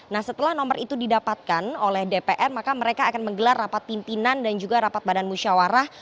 nah setelah nomor itu didapatkan oleh dpr maka mereka akan menggelar rapat pimpinan dan juga rapat badan musyawarah